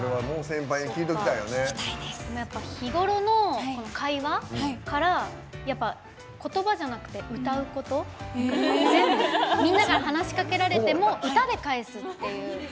やっぱり日頃の会話から言葉じゃなくて歌うこと、全部みんなから話しかけられても歌で返すっていう。